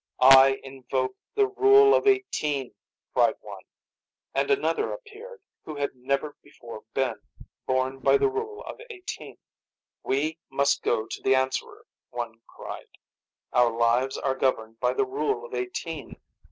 "I invoke the rule of eighteen," cried one. And another appeared, who had never before been, born by the rule of eighteen. "We must go to the Answerer," one cried. "Our lives are governed by the rule of eighteen.